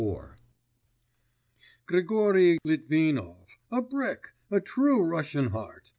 IV 'Grigory Litvinov, a brick, a true Russian heart.